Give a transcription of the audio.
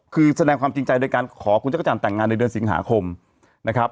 คือแสดงความจริงใจโดยการขอคุณจักรจันทร์แต่งงานในเดือนสิงหาคมนะครับ